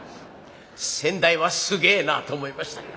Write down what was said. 先代はすげぇなと思いました。